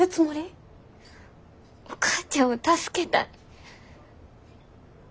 お母ちゃんを助けたい。